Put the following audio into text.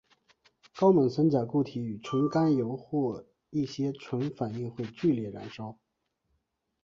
高锰酸钾固体与纯甘油或一些醇反应会剧烈燃烧。